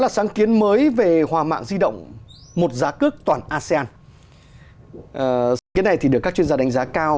sáng kiến này thì được các chuyên gia đánh giá cao